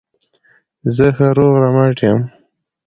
زه ښه روغ رمټ یم.